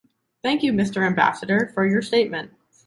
Thank you, Mr. Ambassador, for your statement.